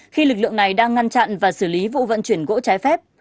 khi lực lượng này đang ngăn chặn và xử lý vụ vận chuyển gỗ trái phép